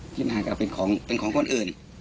ที่นาก็เป็นของคนอื่น